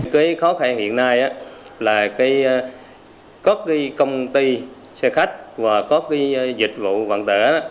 cái khó khăn hiện nay là có cái công ty xe khách và có cái dịch vụ vận tửa